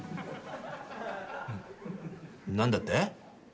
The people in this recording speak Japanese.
何だって？